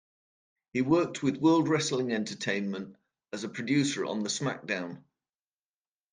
He worked with World Wrestling Entertainment as a producer on the SmackDown!